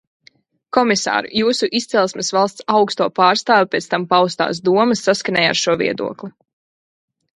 Komisār, jūsu izcelsmes valsts augsto pārstāvju pēc tam paustās domas saskanēja ar šo viedokli.